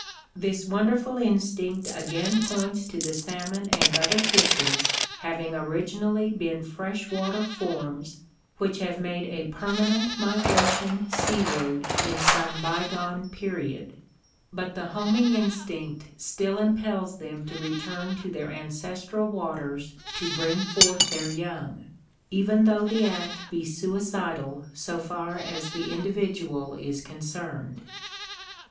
This wonderful instinct again points to the salmon and other fishes having originally been fresh water forms which have made a permanent migration seaward in some bygone period, but the homing instinct still impels them to return to their ancestral waters to bring forth their young, even though the act be suicidal so far as the individual is concerned.